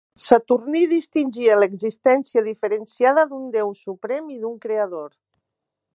Saturní distingia l'existència diferenciada d'un Déu suprem i d'un Creador.